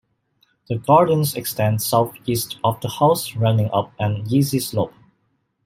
The gardens extend southeast of the house running up an easy slope.